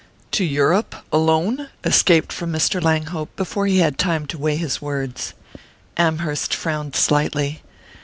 "To Europe? Alone?" escaped from Mr. Langhope before he had time to weigh his words. Amherst frowned slightly.